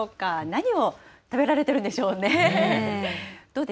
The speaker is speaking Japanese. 何を食べられてるんでしょうね。